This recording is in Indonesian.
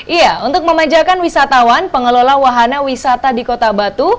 iya untuk memanjakan wisatawan pengelola wahana wisata di kota batu